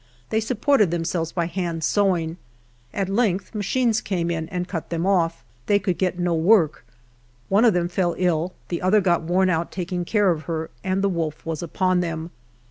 They supported themselves by hand sewing ; at length machines came and cut them off; they could get no work. One of them fell ill, the other got worn out taking care of her, and the wolf was upon them.